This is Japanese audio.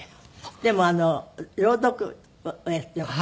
でも朗読をやっています。